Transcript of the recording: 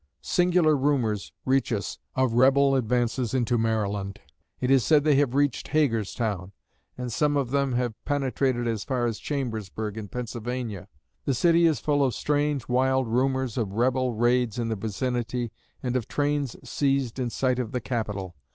"Singular rumors reach us of Rebel advances into Maryland. It is said they have reached Hagerstown, and some of them have penetrated as far as Chambersburg in Pennsylvania.... The city is full of strange, wild rumors of Rebel raids in the vicinity and of trains seized in sight of the Capital.